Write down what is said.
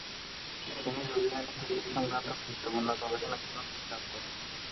তিনি রুবিয়ানিক অ্যাসিড সংক্রান্ত গুরুত্বপূর্ণ গবেষণার জন্য খ্যাতি লাভ করেন।